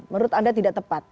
menurut anda tidak tepat